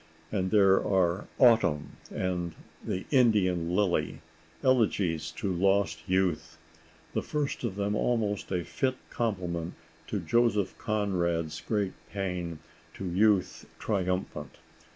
And there are "Autumn" and "The Indian Lily," elegies to lost youth—the first of them almost a fit complement to Joseph Conrad's great paean to youth triumphant.